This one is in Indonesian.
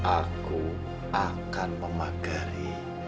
aku akan memagari